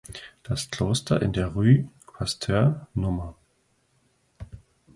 Das Kloster in der Rue Pasteur Nr.